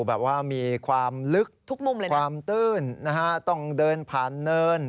แบบว่ามีความลึกความตื้นต้องเดินผ่านเนิน